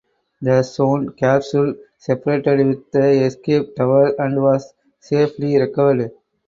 The Zond capsule separated with the escape tower and was safely recovered.